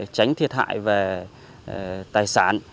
tránh thiệt hại về tài sản